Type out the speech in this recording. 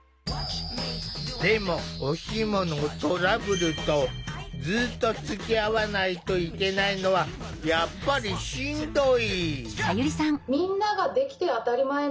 でもおシモのトラブルとずっとつきあわないといけないのはやっぱりしんどい。